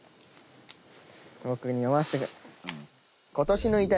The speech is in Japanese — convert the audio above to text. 僕に読ませて。